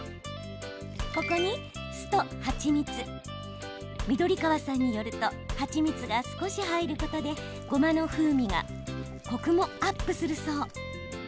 ここに、酢と蜂蜜。緑川さんによると蜂蜜が少し入ることでごまの風味とコクがアップするそう。